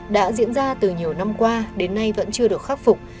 đã diễn ra từ nhiều năm qua đến nay vẫn chưa được khắc phục